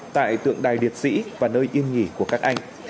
tại tượng đài liệt sĩ và nơi yên nghỉ của các anh